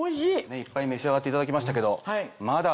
いっぱい召し上がっていただきましたけど。